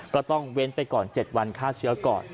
ก็ต้องเว้นไปก่อน๗วันฆ่าเชื้อก่อน